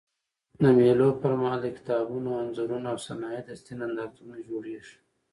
د مېلو پر مهال د کتابونو، انځورونو او صنایع دستي نندارتونونه جوړېږي.